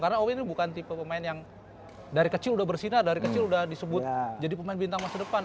karena owi ini bukan tipe pemain yang dari kecil udah bersinar dari kecil udah disebut jadi pemain bintang masa depan